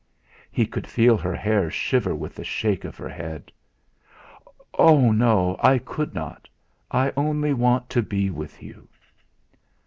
He could feel her hair shiver with the shake of her head. "Oh, no! I could not. I only want to be with you!"